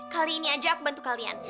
kali ini aja aku bantu kalian